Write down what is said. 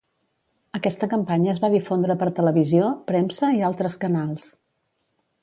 Aquesta campanya es va difondre per televisió, premsa i altres canals.